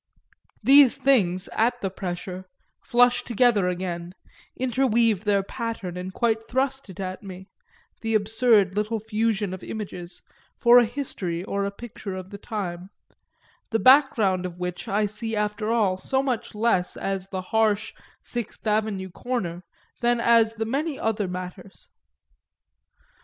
These things, at the pressure, flush together again, interweave their pattern and quite thrust it at me, the absurd little fusion of images, for a history or a picture of the time the background of which I see after all so much less as the harsh Sixth Avenue corner than as many other matters.